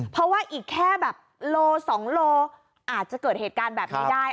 เพราะว่าอีกแค่แบบโล๒โลอาจจะเกิดเหตุการณ์แบบนี้ได้